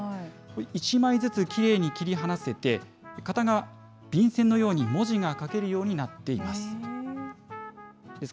１枚ずつきれいに切り離せて、片側、便箋のように文字が書けるようになっています。